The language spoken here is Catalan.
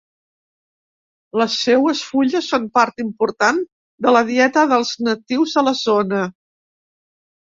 Les seues fulles són part important de la dieta dels natius de la zona.